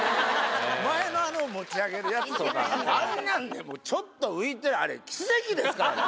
前のあの持ち上げるやつとかあんなんねちょっと浮いたあれ奇跡ですからね。